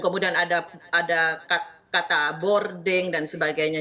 kemudian ada kata boarding dan sebagainya